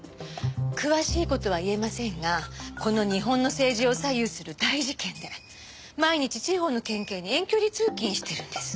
詳しい事は言えませんがこの日本の政治を左右する大事件で毎日地方の県警に遠距離通勤してるんです。